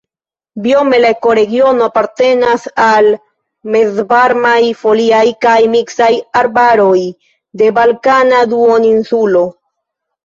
Biome la ekoregiono apartenas al mezvarmaj foliaj kaj miksaj arbaroj de Balkana Duoninsulo.